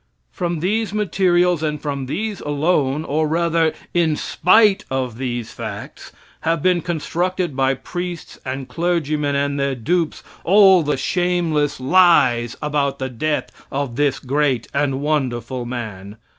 From these materials, and from these alone, or rather, in spite of these facts, have been constructed by priests and clergymen and their dupes all the shameless lies about the death of this great and wonderful man.